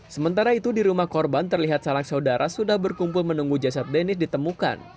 sementara itu di rumah korban terlihat salak saudara sudah berkumpul menunggu jasad deniz ditemukan